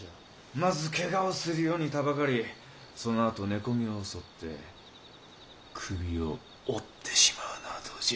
・まずけがをするようにたばかりそのあと寝込みを襲って首を折ってしまうのはどうじゃ。